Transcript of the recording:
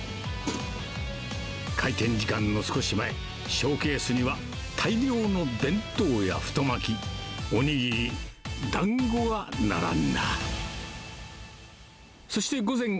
開店時間の少し前、ショーケースには大量の弁当や太巻き、お握り、だんごが並んだ。